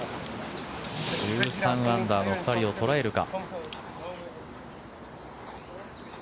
１３アンダーの２人を捉えるか。